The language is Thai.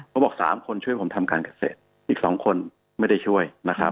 เขาบอก๓คนช่วยผมทำการเกษตรอีก๒คนไม่ได้ช่วยนะครับ